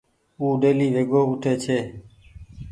او ڊيلي ويگو اُٺي ڇي۔